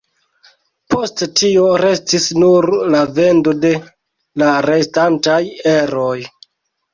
Post tio restis nur la vendo de la restantaj eroj.